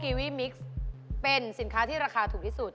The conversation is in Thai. วี่มิกซ์เป็นสินค้าที่ราคาถูกที่สุด